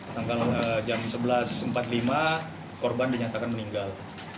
tanggal jam sebelas empat puluh lima korban dinyatakan meninggal